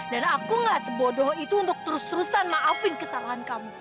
dan aku nggak sebodoh itu untuk terus terusan maafin kesalahan kamu